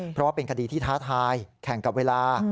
เพราะว่าเป็นคดีที่ท้าทายแข่งกับเวลา